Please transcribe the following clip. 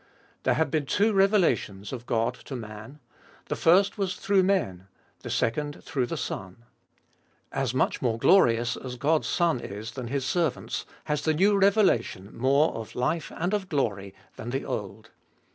There have been two revelations of God to man. The first was through men ; the second through the Son. As much more glorious as God's Son is than His servants, has the new revelation more of life and of glory than the old.